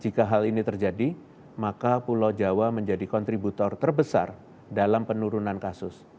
jika hal ini terjadi maka pulau jawa menjadi kontributor terbesar dalam penurunan kasus